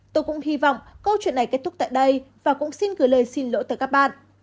tôi cũng hy vọng câu chuyện này kết thúc tại đây và cũng xin gửi lời xin lỗi tới các bạn